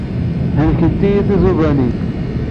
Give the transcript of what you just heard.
Helkent-iyi tẓidanin.